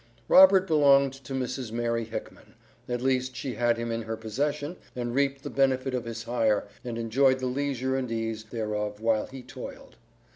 Robert belonged to Mrs. Mary Hickman, at least she had him in her possession and reaped the benefit of his hire and enjoyed the leisure and ease thereof while he toiled.